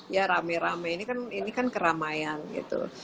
ya rame rame ini kan keramaian gitu